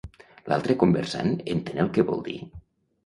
L'altre conversant entén el que vol dir?